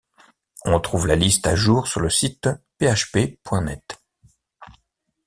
On trouve la liste à jour sur le site php.net.